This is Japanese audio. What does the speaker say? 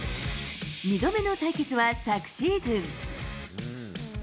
２度目の対決は昨シーズン。